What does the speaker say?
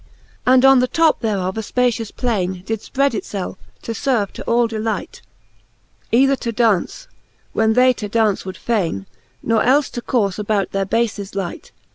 VIII. And on the top thereof a fpacious plaine Did fpred it felfe, to ferve to all delight, Either to daunce, when they to daunce would faine, Or elfe to courfe about their bafes light.